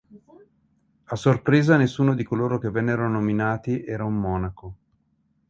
A sorpresa nessuno di coloro che vennero nominati era un monaco.